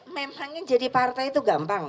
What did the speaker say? memangin jadi partai itu gampang